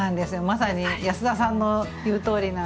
まさに安田さんの言うとおりなんです。